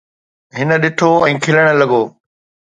هن ڏٺو ۽ کلڻ لڳو.